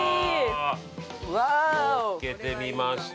◆のっけてみました。